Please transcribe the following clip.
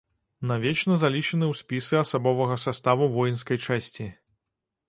Навечна залічаны ў спісы асабовага саставу воінскай часці.